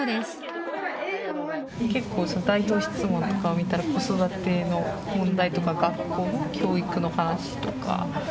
結構代表質問とかを見たら子育ての問題とか学校教育の話とか。